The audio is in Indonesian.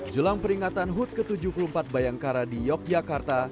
jelang peringatan hud ke tujuh puluh empat bayangkara di yogyakarta